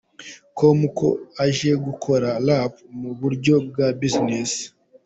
com ko aje gukora Rap mu buryo bwa Business.